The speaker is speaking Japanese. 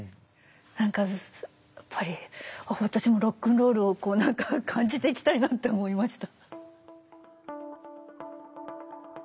何かやっぱり私もロックンロールをこう何か感じていきたいなって思いました。